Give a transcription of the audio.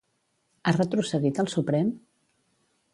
Ha retrocedit el Suprem?